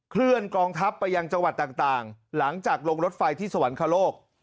เคลื่อนกองทัพไปยังจังหวัดต่างหลังจากลงรถไฟที่สวรรคโลก